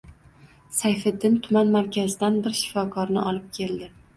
Sayfiddin tuman markazidan bir shifokorni olib keldi